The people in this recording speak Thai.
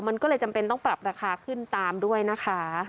มันก็เลยจำเป็นต้องปรับราคาขึ้นตามด้วยนะคะ